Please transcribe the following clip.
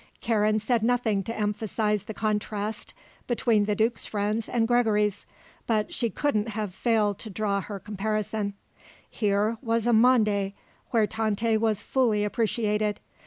Karen said nothing to emphasise the contrast between the duke's friends and Gregory's, but she couldn't have failed to draw her comparison. Here was a monde where Tante was fully appreciated.